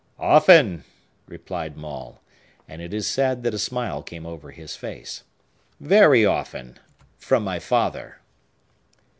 "Often," replied Maule,—and it is said that a smile came over his face,—"very often,—from my father!"